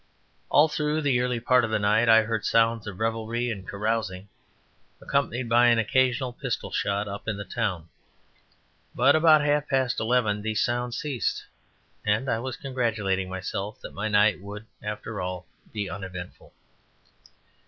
All through the early part of the night, I heard sounds of revelry and carousing, accompanied by an occasional pistol shot, up in the town, but about half past eleven these sounds ceased, and I was congratulating myself that my night, would after all, be uneventful.